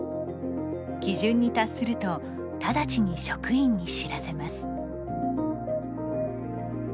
基準に達するとただちに職員に知らせます。